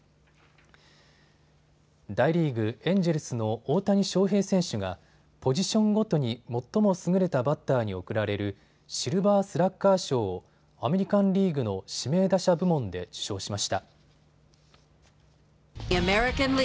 大リーグ、エンジェルスの大谷翔平選手がポジションごとに最も優れたバッターに贈られるシルバースラッガー賞をアメリカンリーグの指名打者部門で受賞しました。